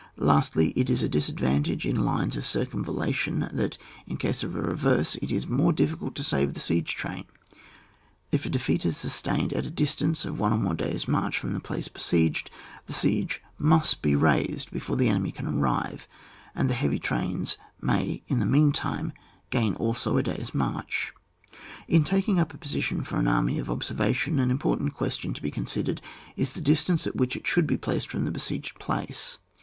Lastly, it is a disadvantage in lines of circumvallation, that in case of a reverse it is more difficult to save the siege train. If a defeat is sustained at a distance of one or more days' march from the place besieged, the siege may be raised before the enemy can arrive, and the heavy trains may, in the mean time, gain also a day's march. In taking up a position for an army of observation, an important question to be considered is the distance at which it should be placed from the besieged place.